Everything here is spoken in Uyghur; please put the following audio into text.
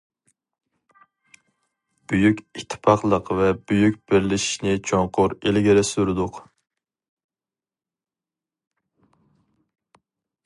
بۈيۈك ئىتتىپاقلىق ۋە بۈيۈك بىرلىشىشنى چوڭقۇر ئىلگىرى سۈردۇق.